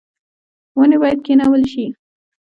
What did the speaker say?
ونې باید کینول شي